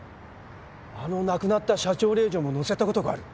あの亡くなった社長令嬢も乗せた事がある。